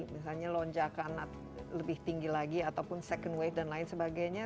misalnya lonjakan lebih tinggi lagi ataupun second wave dan lain sebagainya